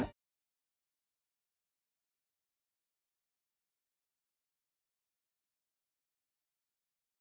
dan dia juga sangat baik